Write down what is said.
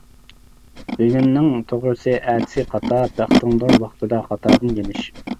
بۈگۈننىڭ توغرىسى ئەتىسى خاتا، بەختىڭدۇر ۋاقتىدا خاتادىن يېنىش.